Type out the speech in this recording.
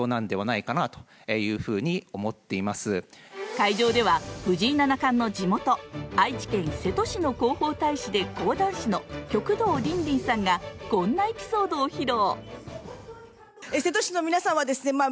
会場では藤井七冠の地元愛知県瀬戸市の広報大使で講談師の旭堂鱗林さんがこんなエピソードを披露。